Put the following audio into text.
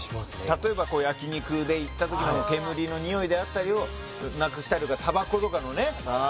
例えばこう焼き肉で行った時の煙のニオイであったりをなくしたりとかタバコとかのねああ